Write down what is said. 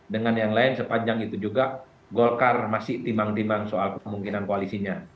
dengan yang lain sepanjang itu juga golkar masih timang timang soal kemungkinan koalisinya